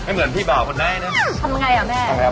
ไม่เหมือนพี่บ่าวคนไหนเนี่ย